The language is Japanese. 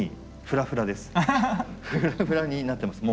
フラフラになってます。